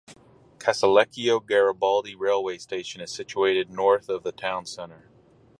Casalecchio Garibaldi railway station is situated north of the town centre.